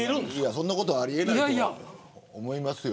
そんなことはありえないと思いますよ。